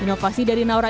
inovasi dari naura